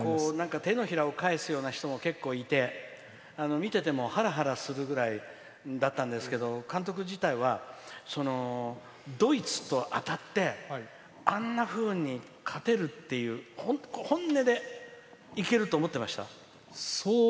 手のひらを返すような人も結構いて見ててもハラハラするぐらいだったんですけど監督自体は、ドイツと当たってあんなふうに勝てるっていう本音で、いけるって思っていました？